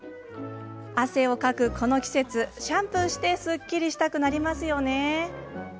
汗をかくこの季節シャンプーしてすっきりしたくなりますよね。